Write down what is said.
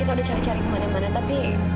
kita udah cari cari kemana mana tapi